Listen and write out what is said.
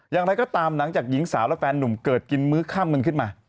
อย่างไรก็ตามหลังจากหญิงสาวและแฟนหนุ่มเกิดกินมื้อค่ำกันขึ้นมา